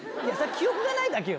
記憶がないだけよ